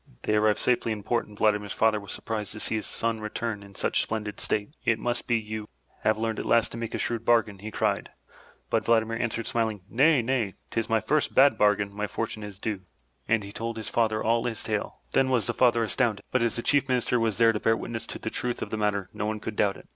They arrived safely in port and Vladimir's father was surprised to see his son return in such splendid state. "It must be you 373 MY BOOK HOUSE have learned at last to make a shrewd bargain!'' he cried, but Vladimir answered smiling, Nay, nay, 'tis to my first bad bar gain my fortune is due." And he told his father all his tale. Then was the father astounded, but as the Chief Minister was there to bear witness to the truth of the matter, no one could doubt it.